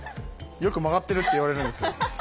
よく曲がってるって言われるんですよ。